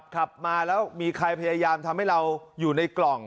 ขับมาแล้วมีใครพยายามทำให้เราอยู่ในกล่อง